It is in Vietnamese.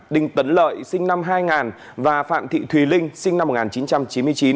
đinh tấn lợi sinh năm hai nghìn và phạm thị thùy linh sinh năm một nghìn chín trăm chín mươi chín